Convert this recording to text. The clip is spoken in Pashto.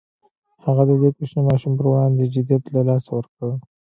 هغه د دې کوچنۍ ماشومې پر وړاندې جديت له لاسه ورکړ.